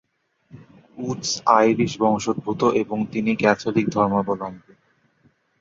Woods Irish বংশোদ্ভূত এবং তিনি ক্যাথলিক ধর্মাবলম্বী।